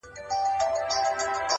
• یو پر بل یې جوړه کړې کربلا وه ,